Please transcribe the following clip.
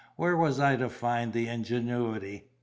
where was I to find the ingenuity?